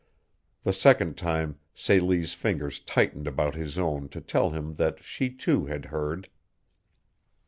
The second time Celie's fingers tightened about his own to tell him that she, too, had heard.